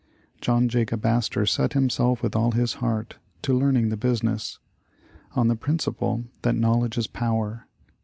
John Jacob Astor set himself with all his heart to learning the business, on the principle that knowledge 58 The Fur Business is power.